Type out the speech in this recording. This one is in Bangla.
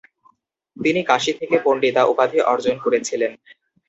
তিনি কাশী থেকে "পণ্ডিতা" উপাধি অর্জন করেছিলেন।